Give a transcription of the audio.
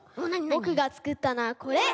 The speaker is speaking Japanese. ぼくがつくったのはこれ。